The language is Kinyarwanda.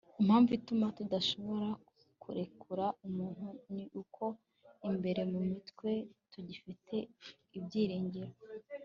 impamvu ituma tudashobora kurekura umuntu ni uko imbere muri twe tugifite ibyiringiro